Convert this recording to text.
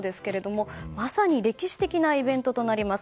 まさに歴史的なイベントとなります。